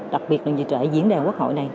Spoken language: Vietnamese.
đặc biệt là diễn đàn quốc hội này